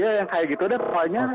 ya yang kayak gitu deh pokoknya